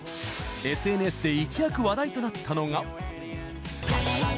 ＳＮＳで一躍、話題となったのが。